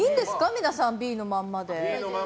皆さんＢのまんまで。